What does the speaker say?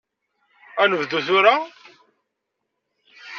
Ad nebdu tuta?